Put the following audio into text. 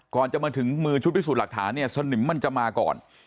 จะมาถึงมือชุดพิสูจน์หลักฐานเนี่ยสนิมมันจะมาก่อน